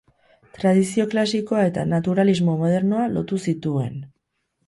Tradizio klasikoa eta naturalismo modernoa lotu zituen.